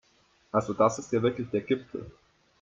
Also das ist ja wirklich der Gipfel